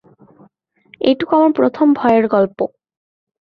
এইটুকু আমার প্রথম ভয়ের গল্প।